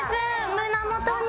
胸元に。